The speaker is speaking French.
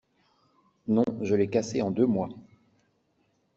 Non je l'ai cassé en deux mois.